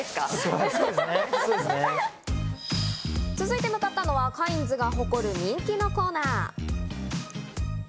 続いて向かったのは、カインズが誇る人気のコーナー。